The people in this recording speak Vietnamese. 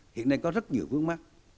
hiện nay có rất nhiều phương mắc